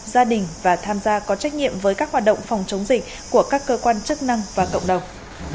gia đình và tham gia có trách nhiệm với các hoạt động phòng chống dịch của các cơ quan chức năng và cộng đồng